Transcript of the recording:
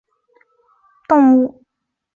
驼背丘腹蛛为球蛛科丘腹蛛属的动物。